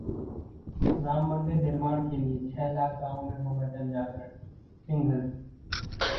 राम मंदिर निर्माण के लिये छह लाख गांवों में होगा जनजागरण: सिंहल